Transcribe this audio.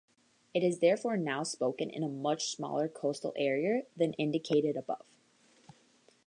It is therefore now spoken in a much smaller coastal area than indicated above.